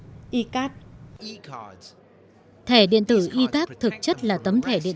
thẻ điện tử e card thực chất là tấm thẻ điện tử có chứa các thông tin của người lao động